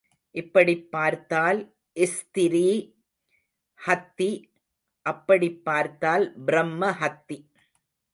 இப்படிப் பார்த்தால் ஸ்த்ரீ ஹத்தி அப்படிப் பார்த்தால் பிரம்ம ஹத்தி.